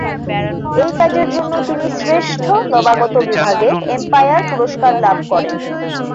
এই কাজের জন্য তিনি শ্রেষ্ঠ নবাগত বিভাগে এম্পায়ার পুরস্কার লাভ করেন।